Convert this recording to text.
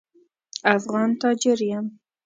افغان تاجر یم.